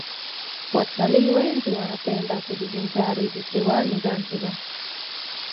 watalii wengi wanapenda kujivinjari visiwani zanzibar